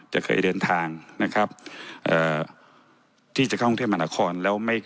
จะเคยเดินทางนะครับเอ่อที่จะเข้ากรุงเทพมหานครแล้วไม่